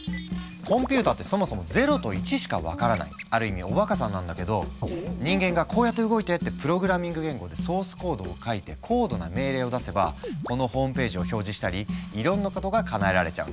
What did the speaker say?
コンピューターってそもそも「０」と「１」しか分からないある意味おバカさんなんだけど人間が「こうやって動いて」ってプログラミング言語でソースコードを書いて高度な命令を出せばこのホームページを表示したりいろんなことがかなえられちゃうの。